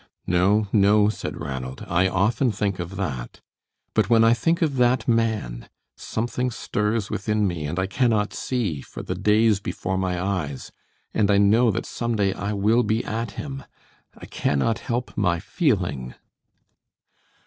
"No, no," said Ranald; "I often think of that. But when I think of that man, something stirs within me and I cannot see, for the daze before my eyes, and I know that some day I will be at him. I cannot help my feeling."